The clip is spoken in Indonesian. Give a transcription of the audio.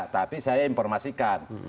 tapi saya informasikan